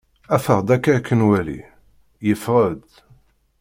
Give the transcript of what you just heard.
ffeɣ-d akka ad k-nwali! Yeffeɣ-d.